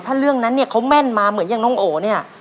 ถ้าเรื่องนั้นเนี่ยเขาแม่นมาเหมือนอย่างน้องโอเนี่ย